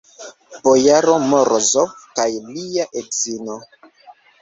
Bojaro Morozov kaj lia edzino.